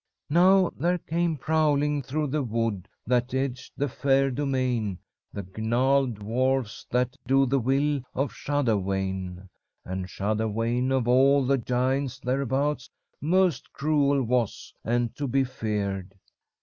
"Now there came prowling through the wood that edged the fair domain the gnarled dwarfs that do the will of Shudderwain. And Shudderwain, of all the giants thereabouts, most cruel was and to be feared.